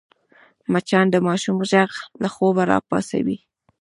مچان د ماشوم غږ له خوبه راپاڅوي